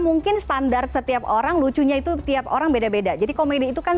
mungkin standar setiap orang lucunya itu tiap orang beda beda jadi komedi itu kan